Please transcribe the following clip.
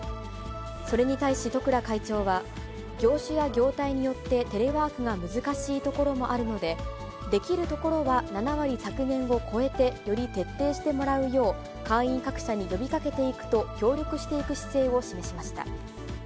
それに対し十倉会長は、業種や業態によってテレワークが難しいところもあるので、できるところは７割削減を超えてより徹底してもらうよう、会員各社に呼びかけていくと、協力していく姿勢を示しました。